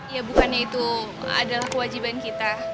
ya bukannya itu adalah kewajiban kita